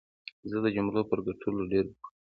زه د جملو پر کټلو ډېر بوخت وم.